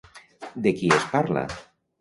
De qui es parla?